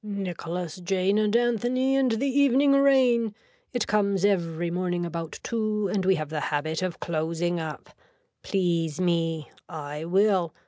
Nicholas Jane and Anthony and the evening rain. It comes every morning about two and we have the habit of closing up. Please me. I will.